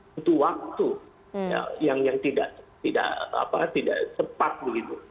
butuh waktu yang tidak tepat begitu